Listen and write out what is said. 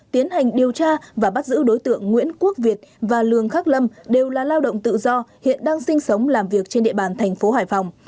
tiến hành điều tra và bắt giữ đối tượng nguyễn quốc việt và lường khắc lâm đều là lao động tự do hiện đang sinh sống làm việc trên địa bàn thành phố hải phòng